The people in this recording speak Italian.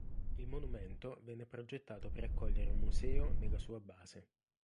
Il monumento venne progettato per accogliere un museo nella sua base.